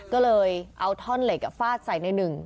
ก็เลยเอาท่อนเหล็กฟาดใส่ในหนึ่ง